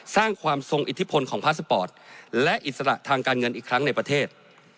สร้างความทรงอิทธิพลของพาสปอร์ตและอิสระทางการเงินอีกครั้งในประเทศ